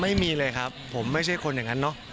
ไม่มีเลยครับผมไม่ใช่คนอย่างนั้นเนอะ